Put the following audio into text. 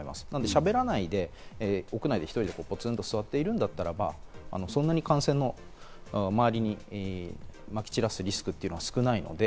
しゃべらないで屋内で１人でポツンと座っているならば、そんなに周りにまき散らすリスクは少ないので。